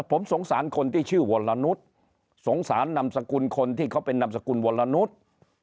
ผมสงสารคนที่ชื่อวรนุษย์สงสารนามสกุลคนที่เขาเป็นนามสกุลวรนุษย์